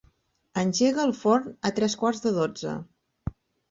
Engega el forn a tres quarts de dotze.